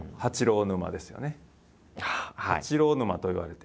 「八郎沼」と言われて。